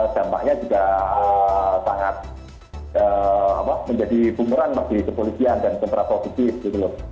dampaknya juga sangat menjadi pumeran bagi kepolisian dan kontrapositif